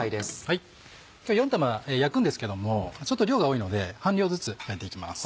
今日４玉焼くんですけどもちょっと量が多いので半量ずつ焼いて行きます。